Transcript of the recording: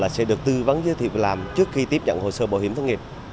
sẽ được tư vấn giới thiệu việc làm trước khi tiếp nhận hồ sơ bảo hiểm thất nghiệp